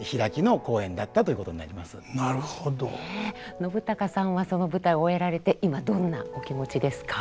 信朗さんはその舞台終えられて今どんなお気持ちですか？